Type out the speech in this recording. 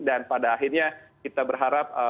dan pada akhirnya kita berharap